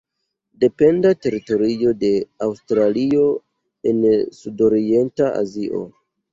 Dependa teritorio de Aŭstralio en Sud-Orienta Azio.